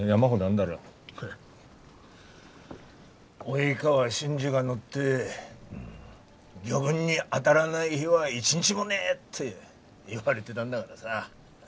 「及川新次が乗って魚群に当たらない日は一日もねえ！」って言われてたんだがらさ。